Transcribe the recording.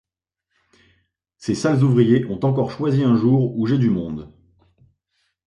Ces sales ouvriers ont encore choisi un jour où j’ai du monde.